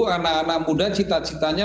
anak anak muda cita citanya